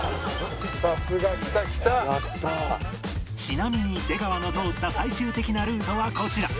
ちなみに出川の通った最終的なルートはこちら